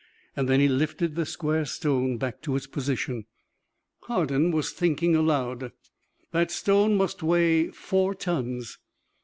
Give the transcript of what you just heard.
Then he lifted the square stone back to its position. Hardin was thinking aloud. "That stone must weigh four tons.